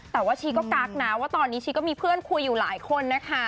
แต่ว่าชีก็กักนะว่าตอนนี้ชีก็มีเพื่อนคุยอยู่หลายคนนะคะ